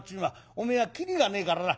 おめえは切りがねえからな。